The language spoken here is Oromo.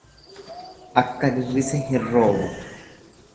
Akka dirrise hin roobu.